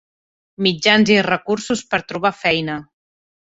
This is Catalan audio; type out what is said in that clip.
Mitjans i recursos per a trobar feina.